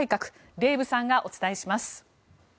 デーブさんがお伝えします。